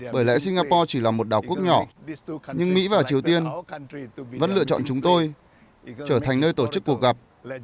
bởi lẽ singapore chỉ là một đảo quốc nhỏ nhưng mỹ và triều tiên vẫn lựa chọn chúng tôi trở thành nơi tổ chức cuộc gặp